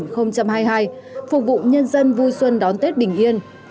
phục vụ nhân dân vui xuân đón tết bình yên